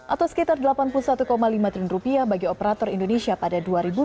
atau sekitar delapan puluh satu lima triliun rupiah bagi operator indonesia pada dua ribu dua puluh